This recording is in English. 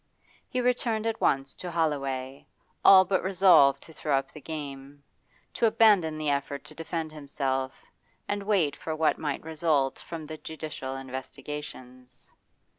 He returned at once to Holloway, all but resolved to throw up the game to abandon the effort to defend himself, and wait for what might result from the judicial investigations.